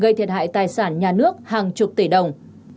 gây thiệt hại tài sản nhà nước hàng chục tỷ đồng